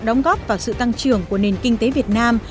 đóng góp vào sự tăng trưởng của nền kinh tế việt nam